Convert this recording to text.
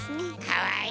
かわいい！